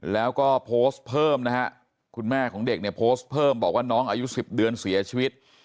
แล้วก็โพสต์เพิ่มนะฮะคุณแม่ของเด็กเนี่ยโพสต์เพิ่มบอกว่าน้องอายุ๑๐เดือนเสียชีวิต